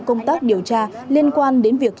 công tác điều tra liên quan đến việc